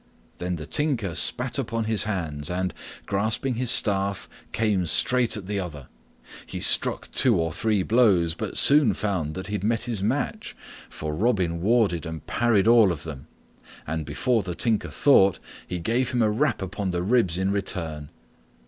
Then the Tinker spat upon his hands and, grasping his staff, came straight at the other. He struck two or three blows, but soon found that he had met his match, for Robin warded and parried all of them, and, before the Tinker thought, he gave him a rap upon the ribs in return.